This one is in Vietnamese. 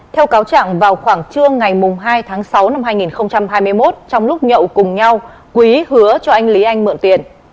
theo cáo trạng vào khoảng trưa ngày hai tháng sáu năm hai nghìn hai mươi một trong lúc nhậu cùng nhau quý hứa cho anh lý anh mượn tiền